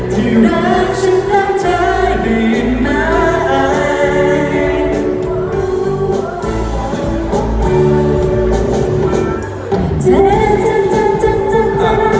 ที่รักฉันรักเธอได้ไหม